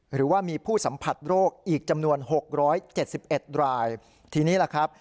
หรือว่ามีผู้สัมผัสโรคอีกจำนวน๖๗๑รายทีนี้ล่ะครับ